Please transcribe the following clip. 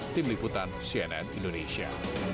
tim liputan cnn indonesia